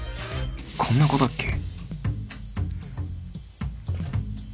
こんな子だっけ？